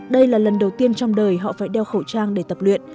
đây là lần đầu tiên trong đời họ phải đeo khẩu trang để tập luyện